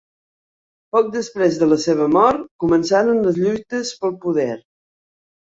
Poc després de la seva mort començaren les lluites pel poder.